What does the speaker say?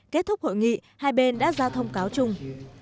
kết thúc hội nghị hai bên đã ra thông cáo chung